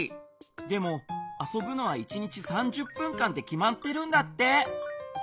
でもあそぶのは１日３０分間ってきまってるんだって。